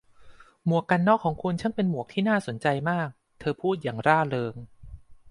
หมวกกันน็อคของคุณช่างเป็นหมวกที่น่าสนใจมาก' เธอพูดอย่างร่าเริง